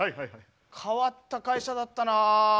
変わった会社だったな。